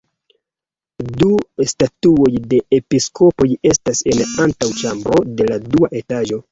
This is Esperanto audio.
Du statuoj de episkopoj estas en antaŭĉambro de la dua etaĝo.